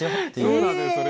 そうなんですね